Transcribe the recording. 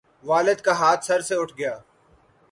والد کا ہاتھ سر سے اٹھ گیا